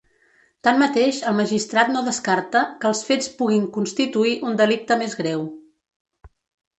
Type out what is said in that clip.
Tanmateix, el magistrat no descarta que els fets puguin constituir un delicte més greu.